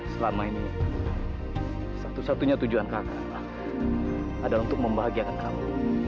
selama ini satu satunya tujuan kakak adalah untuk membahagiakan kamu